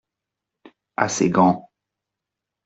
Assez grand.